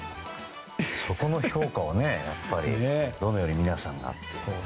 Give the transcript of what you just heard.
そこの評価をやっぱりどのように皆さんが。